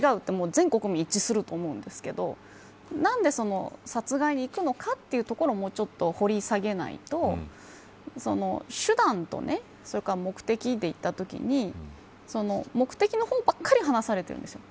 全国民一致すると思うんですけど何で殺害にいくのかというところをもうちょっと掘り下げないと手段と目的と言ったときに目的の方ばかり話されているんですよ。